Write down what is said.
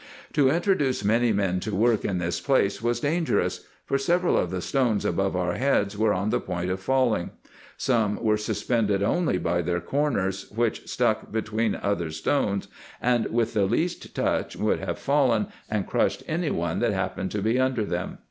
To introduce many men to work in this place was dan gerous, for several of the stones above our heads were on the point of falling ; some were suspended only by their corners, which stuck between other stones, and with the least touch would have fallen, and crushed any one that happened to be under them.